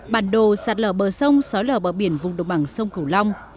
bản đồ sạt lở bờ sông sói lở bờ biển vùng đồng bằng sông cửu long